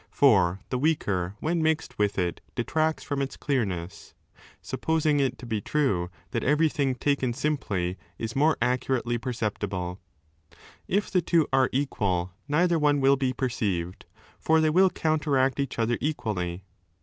For the weaker when mixed with it detracts from its clearness, supposing it to be true that every 186 DE8KN8U FUSION OF SENSATIONS 187 thing taken simply is more accurately perceptible. If the two are equal neither one will be perceived, for they will counteract each other equally.